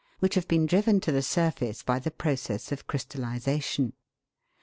which have been driven to the surface by the process of crystallisation.